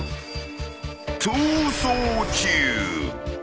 ［逃走中］